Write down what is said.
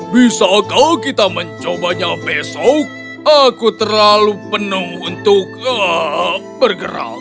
bisakah kita mencobanya besok aku terlalu penuh untuk bergerak